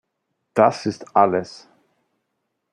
Das ist alles!